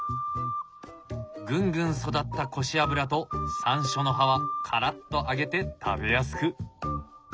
ぐんぐん育ったコシアブラとサンショウの葉はカラッと揚げて食べやすく。